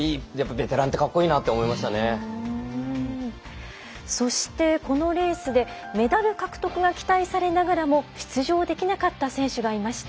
ベテランって格好いいなってそしてこのレースでメダル獲得が期待されながらも出場できなかった選手がいました。